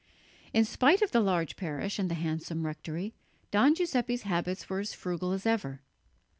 In spite of the large parish and the handsome rectory, Don Giuseppe's habits were as frugal as ever.